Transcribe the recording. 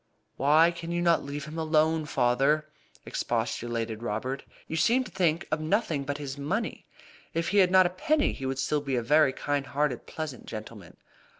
"Why can you not leave him alone, father?" expostulated Robert. "You seem to think of nothing but his money. If he had not a penny he would still be a very kind hearted, pleasant gentleman."